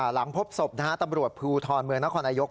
หลังพบศพนะฮะตำรวจภูทรเมืองนครนายก